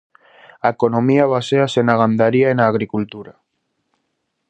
A economía baséase na gandaría e na agricultura.